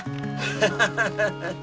ハハハハッ！